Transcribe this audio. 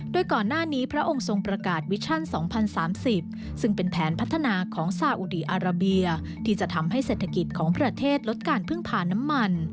โดยก่อนหน้านี้พระองค์ทรงประกาศวิชชั่น๒๐๓๐ซึ่งเป็นแผนพัฒนาของซาอุดีอาราเบียที่จะทำให้เศรษฐกิจของประเทศลดการพึ่งพาน้ำมัน